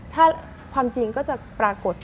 ถ้าความจริงก็จะปรากฏ